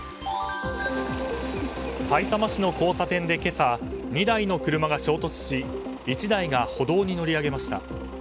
さいたま市の交差点で今朝２台の車が衝突し１台が歩道に乗り上げました。